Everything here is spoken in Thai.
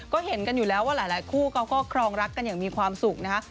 ก็เห็นกันอยู่แล้วว่าหลายคู่เขาก็ครองรักกันอย่างมีความสุขนะคะ